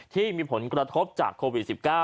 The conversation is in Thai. ที่มีผลกระทบจากโควิด๑๙